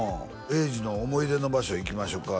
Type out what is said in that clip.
「衛二の思い出の場所行きましょうか」